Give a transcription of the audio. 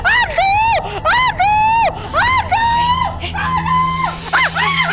aduh aduh aduh